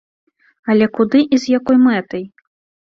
Але куды і з якой мэтай?